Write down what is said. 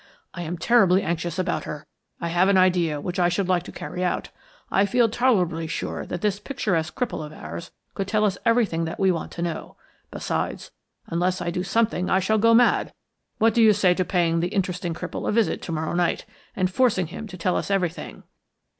I am terribly anxious about her. I have an idea which I should like to carry out. I feel tolerably sure that this picturesque cripple of ours could tell us everything that we want to know. Besides, unless I do something I shall go mad. What do you say to paying the interesting cripple a visit to morrow night, and forcing him to tell us everything?"